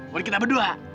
buat kita berdua